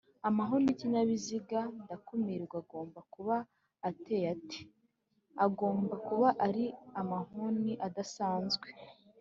amahoni y’ikinyabiziga ndakumirwa agomba kuba ateye ate?agomba kuba ari amahoni adasanzwe